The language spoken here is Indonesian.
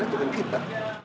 itu kan kita